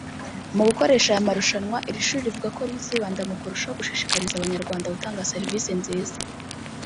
Mu gukoresha aya marushanwa iri shuri rivuga ko rizibanda mu kurushaho gushishikariza Abanyarwanda gutanga serivisi nziza